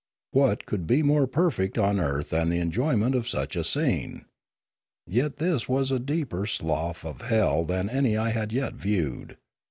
What could be more perfect on earth than the enjoyment of such a scene ? Yet this was a deeper slough of hell than any I had yet viewed.